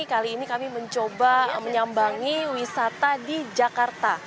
kali ini kami mencoba menyambangi wisata di jakarta